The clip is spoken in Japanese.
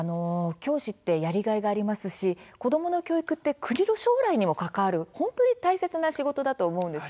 教師ってやりがいがありますしもともと教育は国の将来に関わる本当に大切な仕事だと思います。